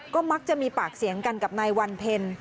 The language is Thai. ก็มักจะมีปากเสียงกันกับนายวันเพ็ญ